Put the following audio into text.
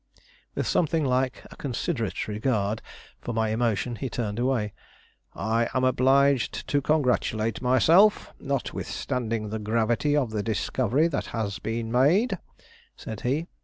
With something like a considerate regard for my emotion, he turned away. "I am obliged to congratulate myself, notwithstanding the gravity of the discovery that has been made," said he.